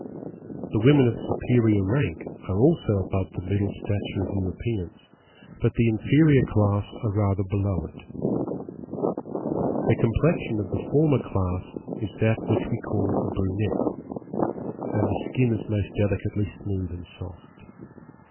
The women of superior rank are also above the middle stature of Europeans, but the inferior class are rather below it. The complexion of the former class is that which we call a brunette, and the skin is most delicately smooth and soft.